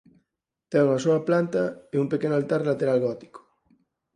Ten unha soa planta e un pequeno altar lateral gótico.